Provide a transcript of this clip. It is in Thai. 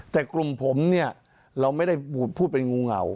แต่กลุ่มผมเนี่ยเราไม่ได้พูดเป็นงูเห่า